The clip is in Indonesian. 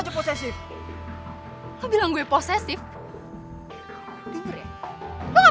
aku kangen kalian yang dulu